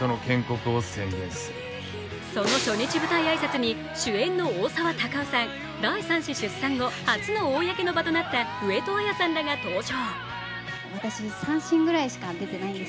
その初日舞台挨拶に主演の大沢たかおさん、第３子出産後、初の公の場となった上戸彩さんらが登場。